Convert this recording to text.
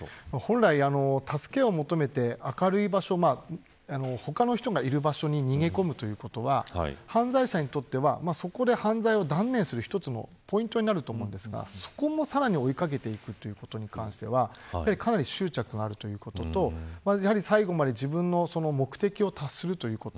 本来、助けを求めて明るい場所他の人がいる場所に逃げ込むということは犯罪者にとってはそこで犯罪を断念する、一つのポイントになると思いますがそこも、さらに追い掛けていくということに関してはかなり執着があるということと最後まで自分の目的を達成するということ。